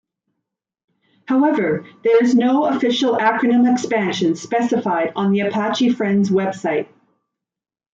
However, there is no official acronym expansion specified on the Apache Friends website.